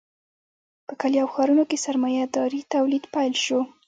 په کلیو او ښارونو کې سرمایه داري تولید پیل شو.